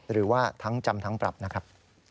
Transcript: หรือว่าทั้งจำทั้งปรับนะครับ